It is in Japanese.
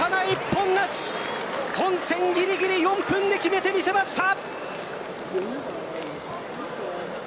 本戦ぎりぎり４分で決めてみせました。